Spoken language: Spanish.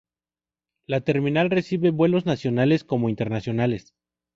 La terminal recibe vuelos nacionales como internacionales.